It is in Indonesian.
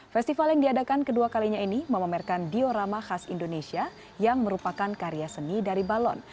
festival yang diadakan kedua kalinya ini memamerkan diorama khas indonesia yang merupakan karya seni dari balon